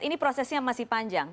ini prosesnya masih panjang